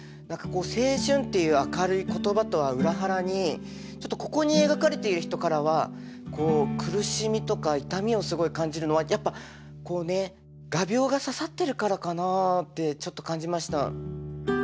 何かこう「青春」っていう明るい言葉とは裏腹にちょっとここに描かれている人からはこう苦しみとか痛みをすごい感じるのはやっぱこうね画びょうが刺さってるからかなあってちょっと感じました。